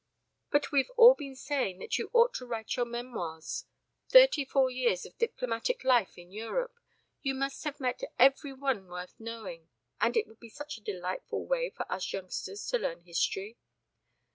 But we've all been saying that you ought to write your memoirs. Thirty four years of diplomatic life in Europe! You must have met every one worth knowing and it would be such a delightful way for us youngsters to learn history."